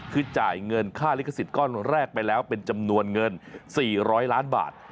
คือจ่ายเงินค่าลิขสิทธิ์ก้อนแรกไปแล้วเป็นจำนวนเงิน๔๐๐ล้านบาท